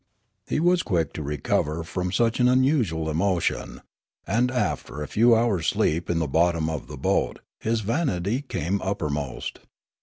He was quick to recover from such an unusual emotion ; and after a few hours' sleep in the bottom of the boat, his vanity came uppermost.